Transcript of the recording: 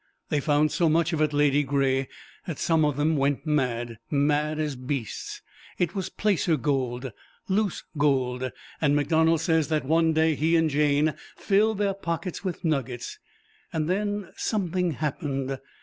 "They found so much of it, Ladygray, that some of them went mad mad as beasts. It was placer gold loose gold, and MacDonald says that one day he and Jane filled their pockets with nuggets. Then something happened.